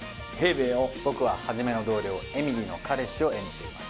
僕は一の同僚エミリの彼氏を演じています。